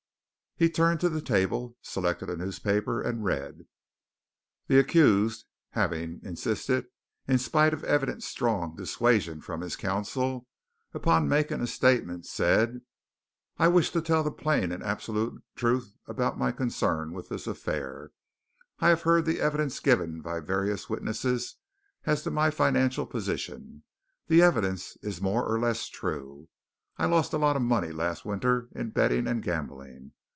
He turned to the table, selected a newspaper, and read: "'The accused, having insisted, in spite of evident strong dissuasion from his counsel, upon making a statement, said: "I wish to tell the plain and absolute truth about my concern with this affair. I have heard the evidence given by various witnesses as to my financial position. That evidence is more or less true. I lost a lot of money last winter in betting and gambling.